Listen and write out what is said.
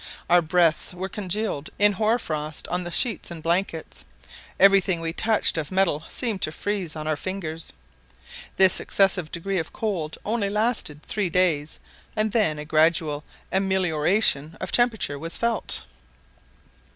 Our breaths were congealed in hoar frost on the sheets and blankets. Every thing we touched of metal seemed to freeze our fingers. This excessive degree of cold only lasted three days, and then a gradual amelioration of temperature was felt.